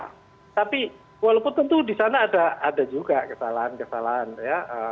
tapi walaupun tentu disana ada juga kesalahan kesalahan ya